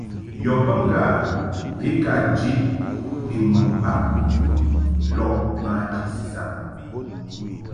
Yɔ be ŋgâ i ka jid ni mɨmbaʼ lɔʼ manji sisa.